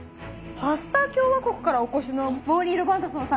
パスタ共和国からお越しのモーリー・ロバートソンさん。